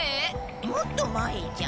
もっと前じゃ。